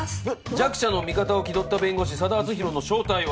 「弱者の味方を気取った弁護士佐田篤弘の正体は」